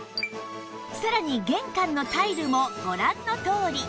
さらに玄関のタイルもご覧のとおり！